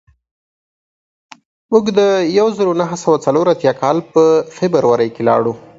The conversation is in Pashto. موږ د یو زرو نهه سوه څلور اتیا کال په فبروري کې لاړو